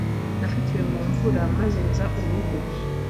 Nafatiwe mu mvura maze nza uruhu.